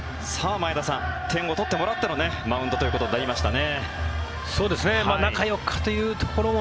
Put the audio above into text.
前田さん、点を取ってもらってのマウンドということになりましたね。